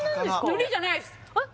のりじゃないですあっ